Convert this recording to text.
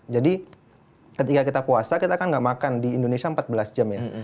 jadi ketika kita puasa kita kan nggak makan di indonesia empat belas jam ya